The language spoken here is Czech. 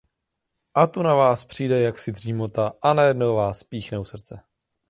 A tu na vás přijde jaksi dřímota, a najednou vás píchne u srdce.